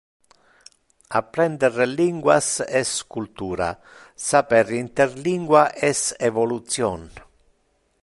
Apprender linguas es cultura. Saper interlingua es evolution.